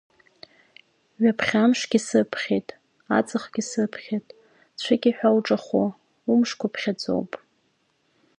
Ҩаԥхьа амшгьы сыԥхьеит, аҵыхгьы сыԥхьеит, цәыкьа иҳәа уҿахәы, умшқәа ԥхьаӡоуп.